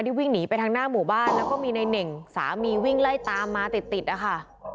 วิ่งหนีไปทางหน้าหมู่บ้านแล้วก็มีในเน่งสามีวิ่งไล่ตามมาติดติดนะคะ